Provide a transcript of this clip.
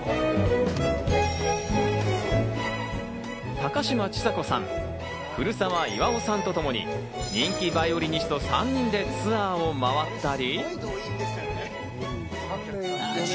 高嶋ちさ子さん、古澤巌さんとともに人気バイオリニスト３人でツアーを回ったり。